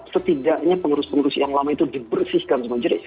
setidaknya pengurus pengurus yang lama itu dibersihkan semua jenis